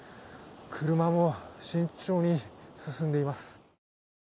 車も慎重に進んでいます。